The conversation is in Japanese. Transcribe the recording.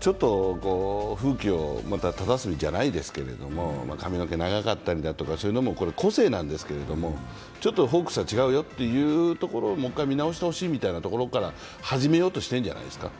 ちょっと風紀をまたただすじゃないですけれども、髪の毛、長かったりだとか、そういうのも個性なんですけどちょっとホークスは違うよというところをもう一回見直してほしいというところから始めようとしているんじゃないですか？